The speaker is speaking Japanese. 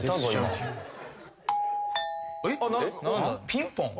ピンポン？